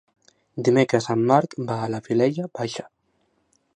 Dimecres en Marc va a la Vilella Baixa.